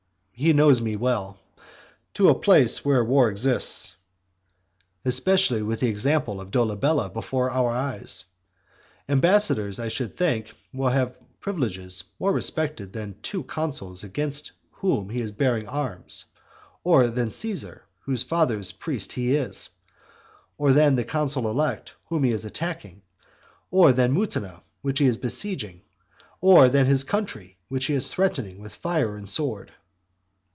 He knows me well. "To a place where war exists." Especially with the example of Dolabella before our eyes. Ambassadors, I should think, will have privileges more respected than two consuls against whom he is bearing arms; or than Caesar, whose father's priest he is; or than the consul elect, whom he is attacking; or than Mutina, which he is besieging; or than his country, which he is threatening with fire and sword.